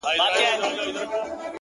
• ښه دی چي جواب له خپله ځانه سره یو سمه,